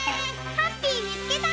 ハッピーみつけた！